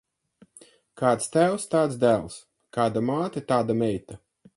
Kāds tēvs, tāds dēls; kāda māte, tāda meita.